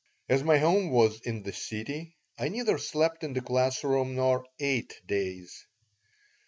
As my home was in the city, I neither slept in the classroom nor "ate days."